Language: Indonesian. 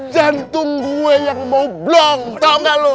jantung gue yang mau blong tau gak lo